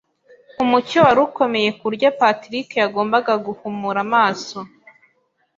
Umucyo wari ukomeye kuburyo Patric yagombaga guhumura amaso.